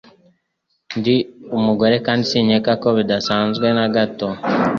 Ndi umugore kandi sinkeka ko bidasanzwe na gato.